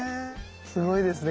すごいですね。